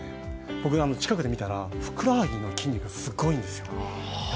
近くで見たらふくらはぎの筋肉すごいんですよ。